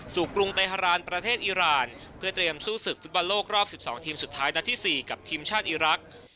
กรุงเตฮารานประเทศอิราณเพื่อเตรียมสู้ศึกฟุตบอลโลกรอบ๑๒ทีมสุดท้ายนัดที่๔กับทีมชาติอีรักษ์